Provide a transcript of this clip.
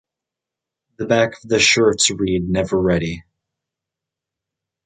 The back of the shirts read "Neveready".